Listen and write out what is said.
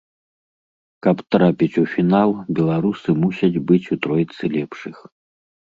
Каб трапіць у фінал, беларусы мусяць быць у тройцы лепшых.